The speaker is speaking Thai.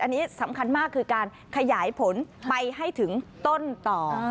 อันนี้สำคัญมากคือการขยายผลไปให้ถึงต้นต่อ